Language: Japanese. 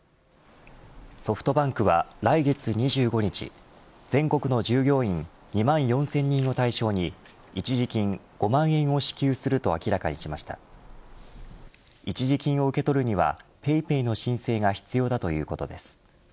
ソフトバンクは来月２５日全国の従業員２万４０００人を対象に一時金５万円を支給すると明らかにしました一時金を受け取るにはＰａｙＰａｙの申請が必要だということです。